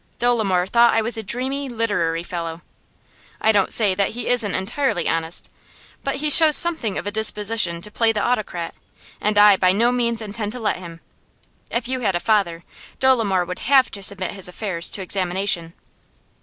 Dolomore thought I was a dreamy, literary fellow. I don't say that he isn't entirely honest, but he shows something of a disposition to play the autocrat, and I by no means intend to let him. If you had a father, Dolomore would have to submit his affairs to examination.